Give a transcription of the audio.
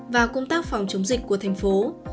và công tác phòng chống dịch của thành phố